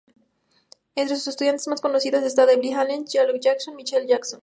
Entre sus estudiantes más conocidos está Debbie Allen, Janet Jackson y Michael Jackson.